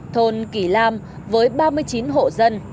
thôn kỳ lam với ba mươi chín hộ dân